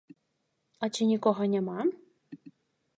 А ці нікога няма?